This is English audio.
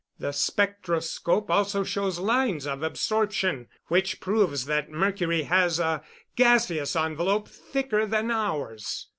The spectroscope also shows lines of absorption, which proves that Mercury has a gaseous envelope thicker than ours.